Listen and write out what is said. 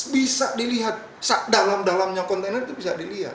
bisa dilihat dalam dalamnya kontainer itu bisa dilihat